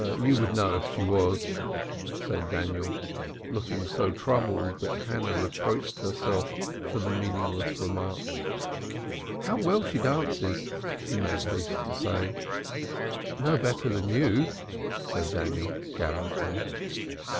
"You would know it if she was," said Daniel, looking so troubled that Hannah reproached herself for the meaningless remark. "How well she dances!" she made haste to say. "Not better than you," said Daniel, gallantly.